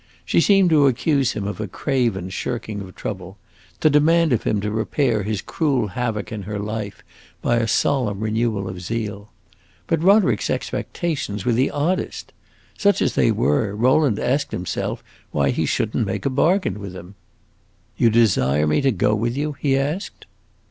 She seemed to accuse him of a craven shirking of trouble, to demand of him to repair his cruel havoc in her life by a solemn renewal of zeal. But Roderick's expectations were the oddest! Such as they were, Rowland asked himself why he should n't make a bargain with them. "You desire me to go with you?" he asked.